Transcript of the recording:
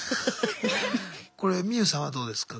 これミユさんはどうですか？